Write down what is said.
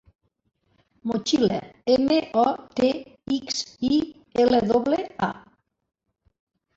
Motxilla: ema, o, te, ics, i, ela doble, a.